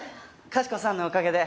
かしこさんのおかげで。